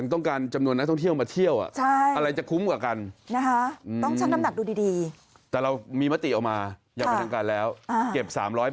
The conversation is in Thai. เก็บ๓๐๐บาทแน่นอนนะครับ